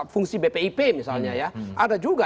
fungsi bpip misalnya ya ada juga